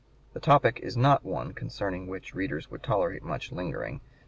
The topic is not one concerning which readers would tolerate much lingering.